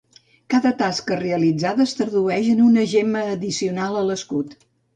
Cada tasca realitzada es tradueix en una gemma addicional a l'escut.